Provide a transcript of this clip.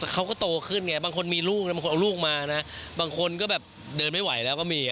เขาก็โตขึ้นไงบางคนมีลูกบางคนเอาลูกมานะบางคนก็แบบเดินไม่ไหวแล้วก็มี